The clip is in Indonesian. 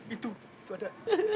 itu itu ada